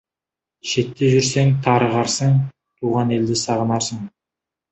Шетте жүрсең, тарығарсың, туған елді сағынарсың.